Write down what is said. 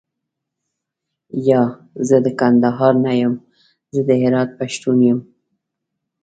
یا، زه د کندهار نه یم زه د هرات پښتون یم.